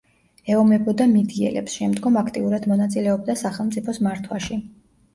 ეომებოდა მიდიელებს, შემდგომ აქტიურად მონაწილეობდა სახელმწიფოს მართვაში.